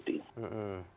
satu tiga m itu diikuti